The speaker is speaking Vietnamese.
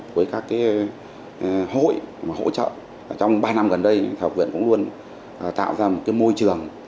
với các cái hội mà hỗ trợ trong ba năm gần đây thì học viện cũng luôn tạo ra một cái môi trường